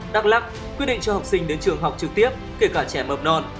đắc lắc quyết định cho học sinh đến trường học trực tiếp kể cả trẻ mập non